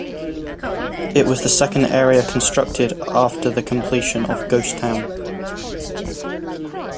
It was the second area constructed after the completion of Ghost Town.